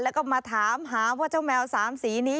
แล้วก็มาถามหาว่าเจ้าแมว๓สีนี้